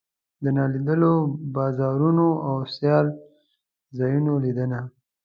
د نالیدلو بازارونو او سیال ځایونو لیدنه.